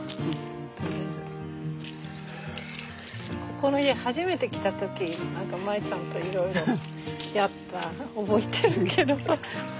この家初めて来た時何かマエちゃんといろいろやった覚えてるけど。